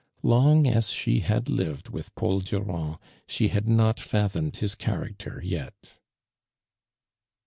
Lonir ns she had lived with Paul Durand, she had not fathomed his character yet.